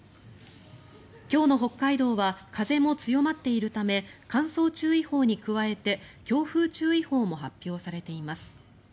今日の北海道は風も強まっているため乾燥注意報に加えて強風注意報も発表されています。